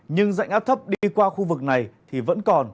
nhưng dạnh áp thấp đi qua khu vực này thì vẫn còn